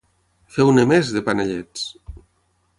Feu-ne més, de panellets!